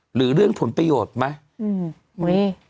หรือเรื่องผลประโยชน์ไหม